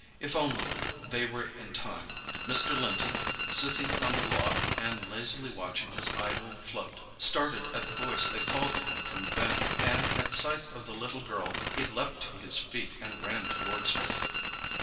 If only they were in time! Mr. Linton, sitting on the log and lazily watching his idle float, started at the voice that called to him from the bank; and at sight of the little girl be leaped to his feet and ran towards her.